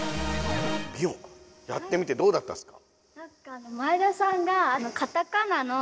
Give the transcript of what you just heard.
ミオやってみてどうだったっすか？